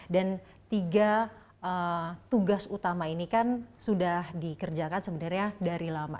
dan tiga tugas utama ini kan sudah dikerjakan sebenarnya dari lama